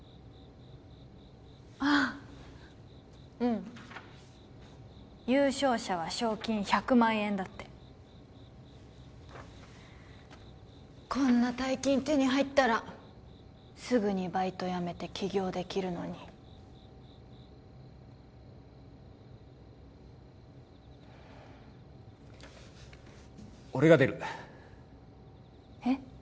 ああうん優勝者は賞金１００万円だってこんな大金手に入ったらすぐにバイト辞めて起業できるのに俺が出るえっ？